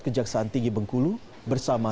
kejaksaan tinggi bengkulu bersama